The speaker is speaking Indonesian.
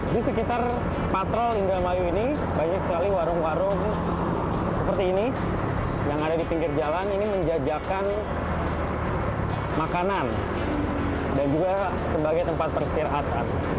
di sekitar patrol indramayu ini banyak sekali warung warung seperti ini yang ada di pinggir jalan ini menjajakan makanan dan juga sebagai tempat peristirahatan